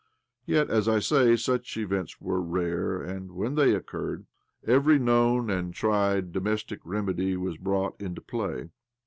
Yet, as I say, such events were rare, and when they occurred, every known and tried domestic remedy was brought into play.